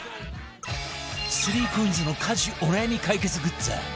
３ＣＯＩＮＳ の家事お悩み解決グッズ